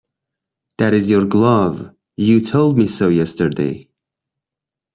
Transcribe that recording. That is your glove; you told me so yesterday.